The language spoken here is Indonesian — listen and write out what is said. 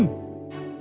siapa namamu tuan